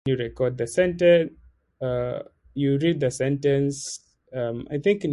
Thistlethwaite took over editor and publisher duties on his return from the war.